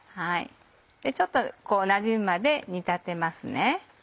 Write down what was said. ちょっとなじむまで煮立てます。